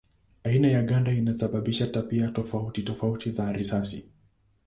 Aina ya ganda inasababisha tabia tofauti tofauti za risasi.